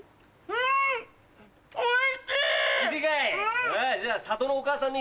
うん！